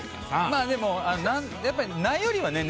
まあでもやっぱりないよりはね